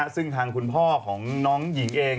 ซึ่งทางคุณพ่อของน้องหญิงเอง